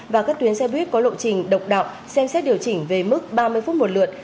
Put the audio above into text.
và các tuyến xe buýt có lộ trình độc đạo xem xét điều chỉnh về mức ba mươi phút một lượt